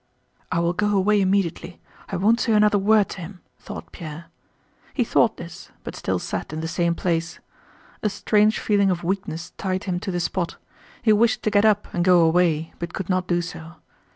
"I will go away immediately. I won't say another word to him," thought Pierre. He thought this, but still sat in the same place. A strange feeling of weakness tied him to the spot; he wished to get up and go away, but could not do so.